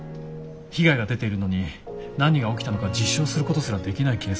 被害が出ているのに何が起きたのか実証することすらできないケースもあります。